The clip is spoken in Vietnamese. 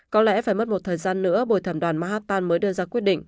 có lẽ phải mất một thời gian nữa bồi thẩm đoàn mahatan mới đưa ra quyết định